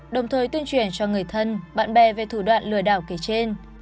đồng thời tuyên truyền cho người thân bạn bè về thủ đoạn lừa đảo kể trên